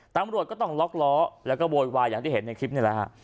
ตำรวจก็ต้องล็อกล้อแล้วก็โวยวายอย่างที่เห็นในคลิปนี่แหละฮะ